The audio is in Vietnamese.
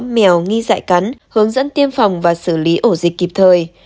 mèo nghi dại cắn hướng dẫn tiêm phòng và xử lý ổ dịch kịp thời